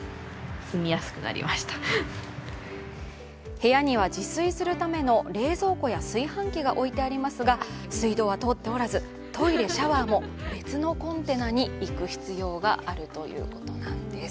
部屋には自炊するための冷蔵庫や炊飯器が置いてありますが、水道は通っておらずトイレ・シャワーも別のコンテナに行く必要があるということなんです。